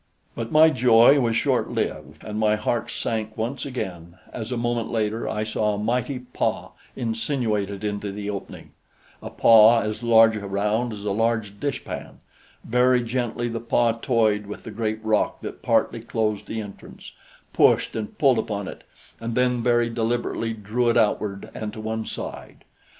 But my joy was short lived, and my heart sank once again as a moment later I saw a mighty paw insinuated into the opening a paw as large around as a large dishpan. Very gently the paw toyed with the great rock that partly closed the entrance, pushed and pulled upon it and then very deliberately drew it outward and to one side.